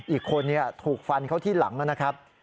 อีกคนถูกฟันเขาที่หลังนะครับ